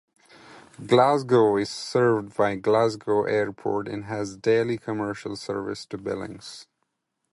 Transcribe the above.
Glasgow is served by Glasgow Airport and has daily commercial service to Billings.